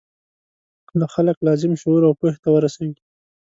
خلک لازم شعور او پوهې ته ورسوي.